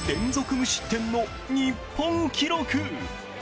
無失点の日本記録。